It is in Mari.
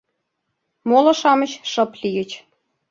Моло-шамыч шып лийыч.